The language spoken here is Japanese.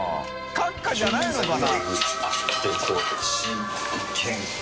閣下じゃないのかな？